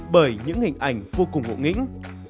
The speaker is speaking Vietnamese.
bởi những hình ảnh vô cùng ngộ nghĩnh